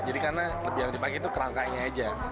karena lebih yang dipakai itu kerangkanya aja